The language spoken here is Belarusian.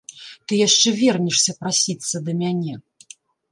Ты яшчэ вернешся прасіцца да мяне.